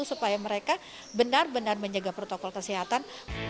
supaya mereka benar benar menjaga protokol kesehatan